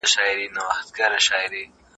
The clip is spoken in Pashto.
غریبان باید په هوساینه کي ژوند وکړي.